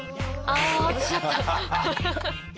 ああ。